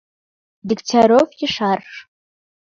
— Дегтярев ешарыш!.